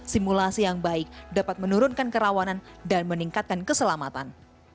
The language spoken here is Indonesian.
simulasi yang baik dapat menurunkan kerawanan dan meningkatkan keselamatan